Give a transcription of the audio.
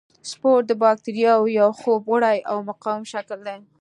سپور د باکتریاوو یو خوب وړی او مقاوم شکل دی.